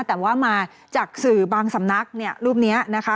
แต่ว่ามาจากสื่อบางสำนักเนี่ยรูปนี้นะคะ